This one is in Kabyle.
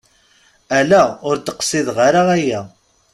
Ala ur d-qsideɣ ara aya!